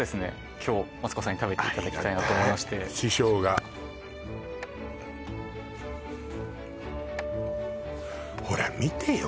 今日マツコさんに食べていただきたいと思いましてありがたい師匠がほら見てよ